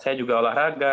saya juga olahraga